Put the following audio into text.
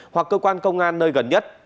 hoặc cơ quan công an nơi phát hiện